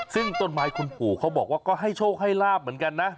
ซึ่งต้นไม้คุณปู่เขาบอกว่าก็ให้โชคให้ลาบเหมือนกันนะ